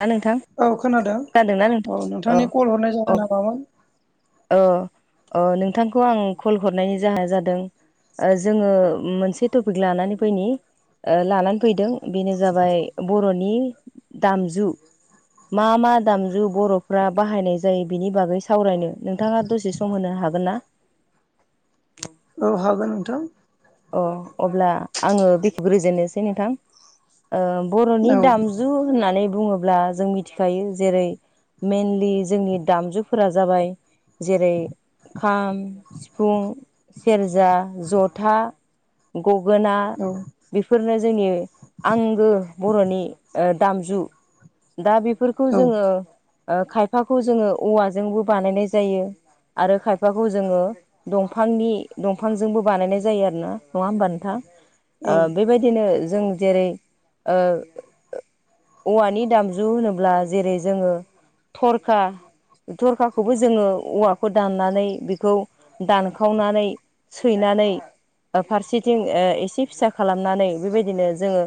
ना नोंथां औ खोनादों खोनादोंना नोंथां औ नोंथांनि कल हरनाय जाहोनना मामोन। अ अ नोंथांखौ आं कल हरनायनि जाहोनना जादों। जोङो मोनसे टपिक लानानै फैनि लानानै फैदों बेनो जाबाय बर'नि दामजु मा मा दामजु बर'फ्रा बाहायनाय जायो बिनि बागै सावरायनो। नोंथाङा दसे सम होनो हागोनना। औ हागोन नोंथां। अ अब्ला आङो जुरेजेननो नोंथां। बर'नि औ दामजु होननानै बुङोब्ला जों मिथिखायो जेरै मेनलि जोंनि दामजुफोरा जाबाय जेरै खाम, सिफुं, सेरजा, जथा गगोना। औ बेफोरनो जोंनि आंगो बर'नि दामजु दा बेफोर। खौ औ जोङो खायफाखौ जोङो औवाजोंबो बानायनाय जायो। आरो खायफाखौ जोङो दंफांनि दंफांजोंबो बानायनाय जायो आरोना। नङा होनबा नोंथां औ बेबायदिनो जों जेरै औवानि दामजु होनोब्ला जेरै जोङो थरखा थरखाखौबो जोङो औवाखौ दाननानै बेखौ दानखावनानै। सैनानै। फारसेथिं एसे फिसा खालामनानै बेबायदिनो जोङो।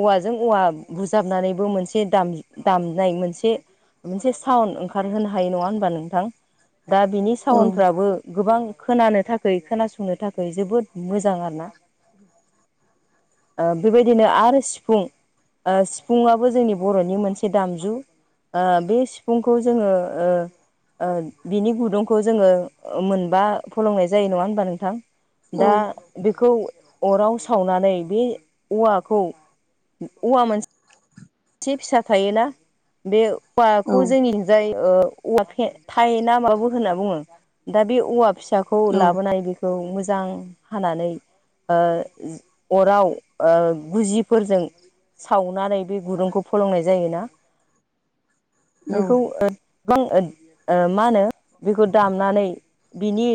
औवाजों औवा बुजाबनानैबो मोनसे दाम दामनाय मोनसे मोनसे साउड ओंखारहोनो हायो नङा होनबा नोंथां दा बिनि। औ सावनफ्राबो गोबां खोनानो थाखै खोनासंनो थाखाय जोबोद मोजां आरोना बेबायदिनो आरो सिफुं सिफुंआबो जोंनि बर'नि मोनसे दामजु। ओ बे सिफुंखौ जोङो। बिनि गुदुंखौ जोङो मोनबा फलंनाय जायो नङा होमबा नोंथां। दा बेखौ अराव सावनानै बे औवाखौ औवा मोनसे एसे फिसा थायोना बे हवाखौ जोंनि जाय औवा थाइना माबो होनना बुङो दा बे औवा फिसाखौ लाबोनाय बे खौ मोजां हानानै अराव गुजिफोरजों सावनानै बे गुदुंखौ फलंनाय जायोना बेखौ गोबां मा होनो बेखौ दामनानै बिनि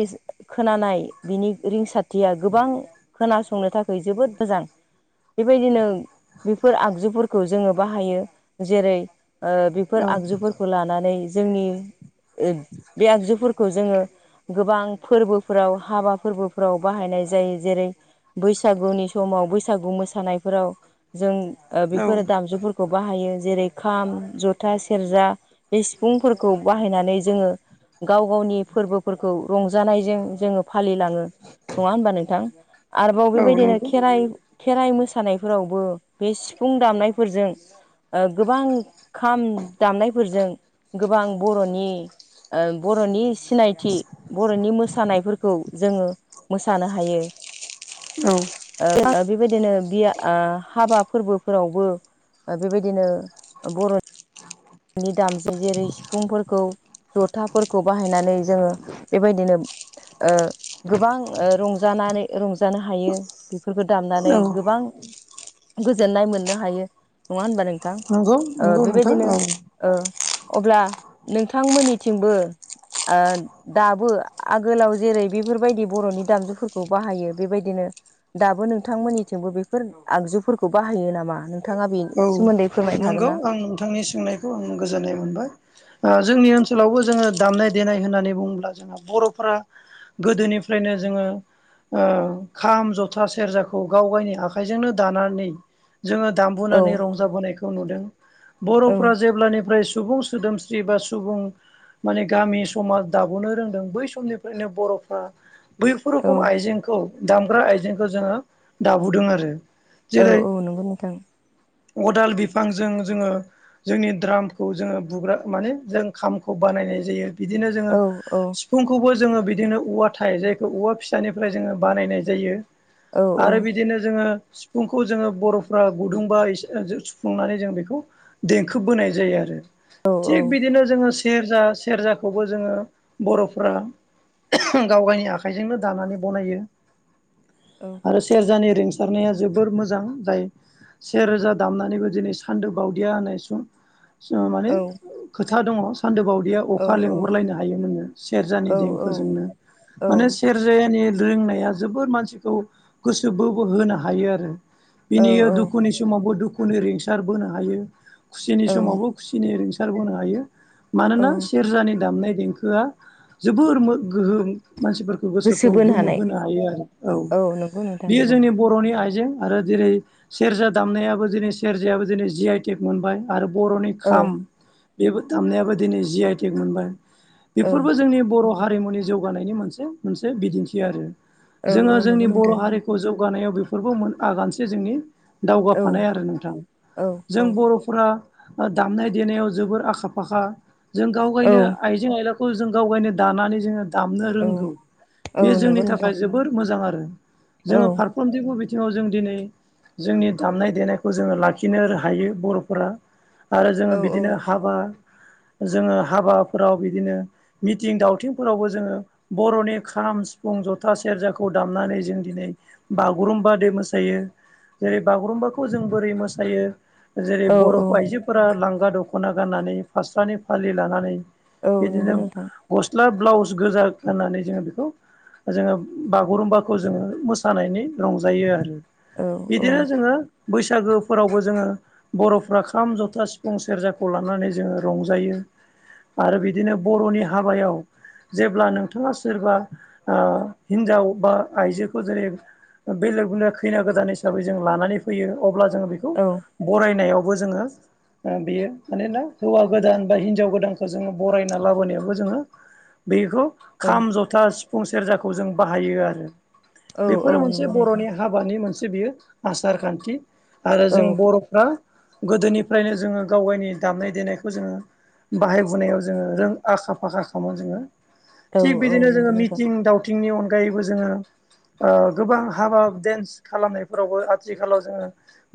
खोनानाय बिनि रिंसारथिया गोबां खोनासंनो थाखाय जोबोद मोजां बेबायदिनो बेफोर आगजुफोरखौ जोङो बाहायो जेरै बेफोर औ आगजुफोरखौ लानानै जोंनि बे आगजुफोरखौ जोङो गोबां फोरबोफोराव हाबा फोरबोफोराव बाहायनाय जायो जेरै बैसागुनि समाव बैसागु मोसानायफोराव जों औ बेफोरो दामजुफोरखौ खौ बाहायो जेरै खाम जथा सेरजा बे सिफुंफोरखौ बाहायनानै जोङो गाव गावनि फोरबोफोरखौ रंजानायजों जोङो फालिलाङो नङा होमबा नोंथां आरोबाव औ बेबायदिनो नंगौ खेराइ खेराइ मोसानायफोरावबो बे सिफुं दामनायफोरजों ओ गोबां खाम दामनायफोरजों गोबां बर'नि ओ बर'निस सिनायथि बर'नि मोसानायफोरखौ जोङो मोसानो हायो औ ओ बिबायदिनो बिया आ हाबा फोरबो फोरावबो ओ बिबायदिनो बर' नि दामजों जेरै सिफुंफोरखौ जथाफोरखौ बाहायनानै जोङो बेबायदिनो ओ गोबां ओ रंजानानै रंजानो हायो बेफोरखौ दामनानै औ गोबां गोजोननाय मोननो हायो नङा होनबा नों थां नंगौ ओ नंगौ नोंथां बेबायदिनो औ ओ अब्ला नोंथांमोनिथिंबो आन दाबो आगोलाव जेरै बेफोरबायदि बर'नि दामजुफोरखौ बाहायो बेबायदिनो दाबो नोंथांमोननिथिंबो बेफोर आगजुफोरखौ बाहायो नामा नों थाङा बिन औ सोमोन्दै फोरमायनो नंगौ हागोन ना आं नोंथांनि सोंनायखौ आं गोजोननाय मोनबाय ओ जोंनि औ ओनसोलावबो जोङो दामनाय देनाय होननानै बुङोब्ला जोंहा बर'फोरा गोदोनिफ्रायनो जोङो ओ खाम ज'था सेरजाखौ गाव गायनि आखाइजोंनो दानानै जोङो दाम बुनानै रंजाबोनायखौ नुदों औ बर'फ्रा जेब्लानिफ्राय सुबुं सु सोदोमस्रि बा सुबुं माने गामि समाज दाब'नो रोंदों बै समनिफ्रायनो बर'फ्रा बैफोर औ रोखोम आइजेंखौ दामग्रा आइजेंखौ जोङो दाबुदों आरो औ जेरै औ नोंगौ नोंथां अदाल बिफांजों जोङो जोंनि द्रामखौ जोङो बुग्रा माने जों खामखौ बानायनाय जायो बिदिनो जोङो औ औ सिफ फुंखौबो जोङो बिदिनो औवा थाइजेखौ औवा फिसानिफ्राय जोङो बानायनाय जायो औ आरो बिदिनो जोङो सिफुंखौ जोङो बर'फ्रा गुदुंबा [unintelligible] सुफुंनानै जों बेखौ देंखो बोनाय जायो आरो औ थिग बिदिनो जोङो सेरजा सेरजाखौबो जोङो बर'फ्रा [unintelligible] गाव गायनि आखाइजोंनो दानानै बनायो औ आरो सेरजानि रिंसारनाया जोबोर मोजां जाय सेरोजा दामनानैबो दिनै सान्दो बावदिया होननाय सम माने औ खोथा दङ सान्दो बावदियाव औ अखा लेंहरलायनो हायो नोङो सेरजानि देंखो औ जोंनो मानो सेर जेनि रिंनाया जोबोर मानसिखौ गोसो बोहर होनो हायो आरो औ बिनि दुखुनि समावबो दुखुनि रिंसार बोनो हायो खुसिनि औ समावबो खुसिनि रिंसारबोनो हायो औ मानोना सेरजानि दामनाय देंखो होआ जोबोर मो गोहोम मानसिफोर उ गोसो गोसोखौ बोनो गोमो हानाय होनो हायो आरो औ नंगौ नोंथां बियो नंगौ जोंनि बर'नि आइजें आरो जेरै सेरजा दामनायाबो दिनै सेरजायाबो दिनै जि आइ टेक मोनबाय आरो बर'नि औ खाम बेबो दामनायाबो दिनै जि आइ टेक मोनबाय औ बेफोरबो जोंनि बर' हारिमुनि जौगानायनि मोनसे मोनसे बिदिन्थि आरो औ औ जोङो जोंनि नंगौ बर' नोंथां हारि खौ जौगानायाव बेफोरबो मोन आगानसे जोंनि औ दावगाफानाय आरो नोंथां औ जों औ बर'फोरा दामनाय देनायाव जोबोर आखा फाखा जों गाव औ गायनो आइजें आइलाखौ जों गावगायनो दानानै जोङो दामनो औ रोंगौ औ बे नंगौ जोंनि नोंथां थाखाय जोबोर मोजां आरो औ जोङो फार खमथिबो बिथिङाव जों दिनै जोंनि दामनाय देनायखौ जोङो लाखिनो हायो बर'फोरा। आरो जोङो औ औ बिदिनो हाबा जोङो हाबाफोराव बिदिनो मिथिं दावथिंफोरावबो जोङो बर'नि खाम सिफुं जथा सेरजाखौ दामनानै जों दिनै बागुरुम्ब दै मोसायो। जेरै बागुरुम्बाखौ जों बोरै मोसायो जेरै औ बर' औ आइजो फोर लांगा दख'ना गाननानै फास्रानि फालि लानानै औ नंगौ बिदिनो नोंथां गस्ला ब्लाउस गोजा गाननानै जोङो बेखौ जोङो बागुरुम्बाखौ जोङो मोसानायनि रंजायो आरो। औ औ बिदिनो जोङो बैसागोफोरावबो जोङो बर'फ्रा खाम जथा, सिफुं, सेरजाखौ लानानै जोङो रंजायो। आरो बिदिनो बर'नि हाबायाव जेब्ला नोंथाङा सोरबा हिन्जाव बा आइजोखौ जेरै- बे लोरबा खैना गोदान हिसाबै जों लानानै फैयो अब्ला जोङो बेखौ औ बरायनायावबो जोङो बेयो मानोना हौवा गोदान बा हिनजाव गोदानखौ जोङो बरायना लाबोनायावबो जोङो बेखौ खाम, जथा, सिफुं, सेरजाखौ जों बाहायो आरो। बेफोरो औ औ मोनसे नंगौ नोंथां बर'नि हा बानि मोनसे बियो आसार खान्थि आरो औ जों बर'फ्रा गोदोनिफ्रायनो जोङो गाव गावनि दामनाय देनायखौ जोङो बाहायबोनायाव जोङो रों आखा -फाखा खालामो जोङो। औ थिग औ बिदिनो जोङो नंगौ नोंथां मिथिं दाव थिं नि अनैबो जोङो ओ गोबां हाबा दान्स खालामनायखौ आथिखालावबो आथिखालाव जोङो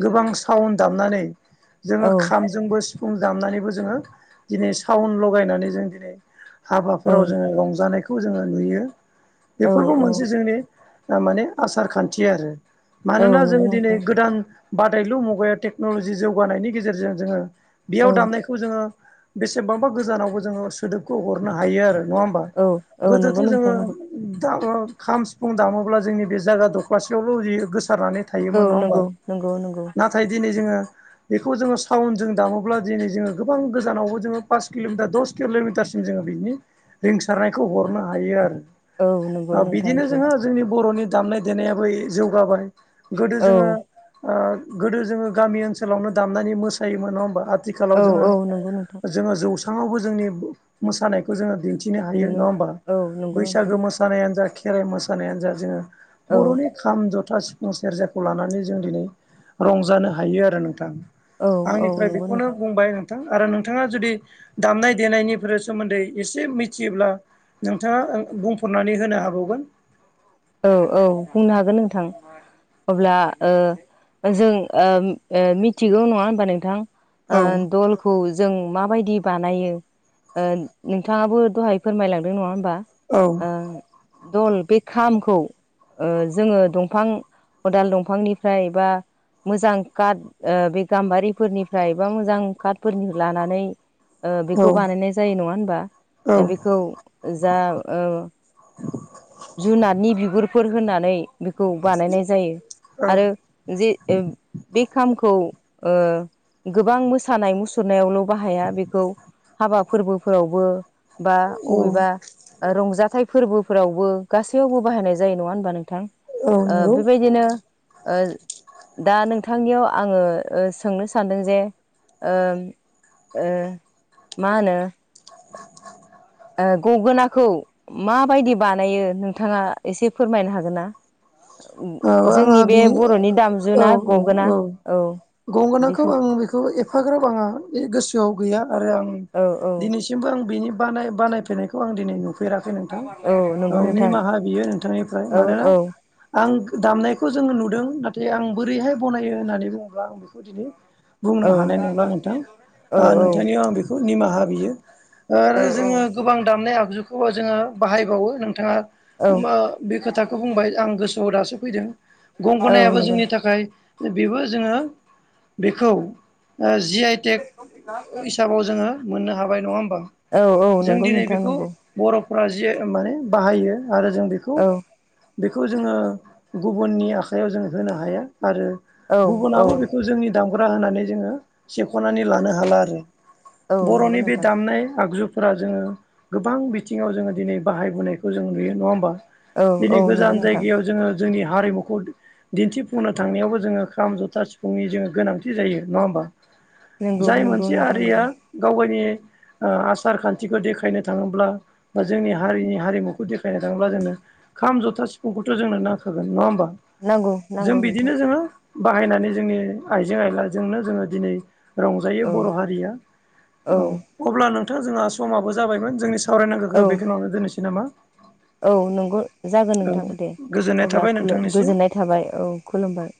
गोबां सावन दामनानै जोङो औ जोंबो सिफुं दामनानैबो जोङो दिनै साावन लगायनानै जों दिनै औ हाबाफोराव जोङो रंजानायखौ जोङो नुयो। औ बेफोरबो मोनसे जोंनि माने आसार खान्थि आरो औ मानोना नंगौ जोङो दिनै नोंथां गोदान बादायलु मुगायाव टेक्न'लजि जौगानायनि गेजेरजों जोङो बेयाव औ दामनायखौ जोङो बेसेबांबा गोजानावबो जोङो सोदोबखौ हरनो हायो आरो नङा होमबा? औ गोदोथ' नंगौ जोङो नोंथां नंगौ द खाम सिफुं दामोब्ला जोंनि बे जायगा दख्लासेयावल' गोसारनानै औ हायोमोन नङा होमबा नंगौ नंगौ नंगौ नाथाय दिनै जोङो बेखौ जोङो साउन्ड जों दामोब्ला दिनै जोङो गोबां गोजानावबो जोङो पास किल'मिटार दस किल'मिटारसिम जोङो बिनि रिंसारनायखौ हरनो हायो औ नंगौ आरो। नोंथां बिदिनो नंगौ जोो जोंनि बर'नि दामनाय देनायाबो जौगाबाय गोदो औ जोङो ओ गोदो जोङो गामि ओनसोलावनो दामनानै मोसायोमोन नङा होमबा? आथिखालाव औ जोङो, औ नंगौ नोंथां जोङो जौसङावबो जोंनि मोसानायखौ जोङो दिन्थि नो हायो नुनो नङा होमबा औ नंगौ नोंथां बैसागो मोस-' मोसानायानो जा खेराइ मोसानायानो जा जोङो औ बर'नि खाम जथा सि फुं सेरजाखौ लानानै जों दिनै रंजानो हायो आरो नोंथां। औ औ आंनिफ्राय नंगौ बेखौनो नोंथां बुंबाय। आरो नोंथाङा जुदि दामनाय देनायनिफोर सोमोन्दै एसे मिथियोब्ला नोंथाङा ओ बुंफोरनानै होनो हाबावगोन। औ औ बुंनो हागोन नोंथां। अब्ला ओ जों ओ -ओ मिथिगौ नङा होनोमबा नोंथां औ ओ दल खौ जों माबायदि बानायो नोंथाङाबो दहाय फोरमायलांदों नङा होमबा। दल बे खाम खौ ओ जोङो दंफां अदाल दंफांनिफ्राय बा मोजां काट बे गाम्बारिफोरनिफ्राय बा मोजां काटफोरनि लानानै ओ बेखौ बानायनाय जायो नङा होनबा औ ओ बेखौ जा ओ जुनारनि बिगुरफोर होनानै बेखौ बानायनाय जायो औ आरो जे ओ बे खामखौ ओ गोबां मोसानाय मुसुरनायावल' बाहाया बेखौ हाबा फोरबोफोरावबो बा बबेबा रंजाथाइ फोरबोफोरावबो गासैयावबो बाहायनाय जायो नङा होनोमबा औ नोंथां नंगौ बेबायदिनो ओ दा नोंथांनियाव आङो ओ सोंनो सानदों जे ओ ओ मा होनो ओ गगोनाखौ माबायदि बानायो नोंथाङा एसे फोरमायनो हागोन ना औ आंहा जोंनि बे बिनि बर'नि औ दामजुना गगोना औ गंगोनाखौ बेखौ आं बेखौ एफाग्राब आंहा गोसोआव गैया आरो आं औ औ दिनैसि सिमबो आं बिनि बानाय बानायफेरनायखौ आं दिनै नु नुफेराखै नोंथां औ नंगौ नोंथां निमाहा बियो नोंथांनिफ्राय औ मानोना औ आं दामनायखौ जोङो नुदों नाथाय आं बोरैहाय बनायो होननानै बुङोब्ला आं बेखौ दिनै बुंनो औ हानाय नंला नोंथां औ ओ औ नोंथांनियाव आं बेखौ निमाहा बियो आरो जोङो औ गोबां दामनाय आगजुखौबो जोङो बाहायबावो नोंथाङा औ मोओ बे खोथाखौ बुंबाय आं गोसोआव दासो फैदों औ गंगनायाबो नंगौ जोंनि थाखाय बेबो जोङो बेखौ ओ जि आइ टेक हिसाबाव जोङो मोननो हाबाय नङा होमबा औ जों नंगौ दिनै नोंथां बेखौ नंगौ बर'फ्रा जे आइ माने बाहायो आरो जों बेखौ औ बेखौ जोङो गुबुननि आखायाव जों होनो हाया आरो औ औ गुबुनाबो बेखौ जोंनि दामग्रा होनानै जोङो सेख'नानै लानो हाला आरो औ नंगौ बर'नि बे नोंथां दामनाय आगजु फोरा जोङो गोबां बिथिङाव जोङो दिनै बाहायबोनायखौ जों नुयो नङा होमबा औ दिनै नंगौ गोजान नोंथां जायगायाव जोङो जोंनि हारिमुखौ दिन्थिफुंनो थांनायावबो जोङो खाम, जथा, सिफुंनि जोङो गोनांथि जायो नङा होमबा नंगौ जाय नंगौ मोनसे नोंथां हारिया नंगौ गाव गावनि आसार खान्थिखौ देखायनो थाङोब्ला बा जोंनि हारिनि हारिमुखौ देखायनो थाङोब्ला जोङो खाम, जथा, सिफुंखौथ' जोंनो नांखागोन नङा होमबा नांगौ जों नांगौ नोंथां बिदिनो जोङो बाहायनानै जोंनि आइजें आइलाजोंनो जोङो दिनै रंजायो औ बर' हारिया औ अब्ला नोंथां जोंहा समाबो जाबायमोन जोंनि औ सावरायनांगौखौ बेखिनियावनो दोननोसै नामा औ नंगौ जागोन औ नोंथां दे गोजोननाय अब्ला थाबाय खुलु नोंथांनिसिम गोजोननाय थाबाय औ खुलुमबाय